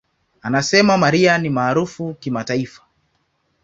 Anasema, "Mariah ni maarufu kimataifa.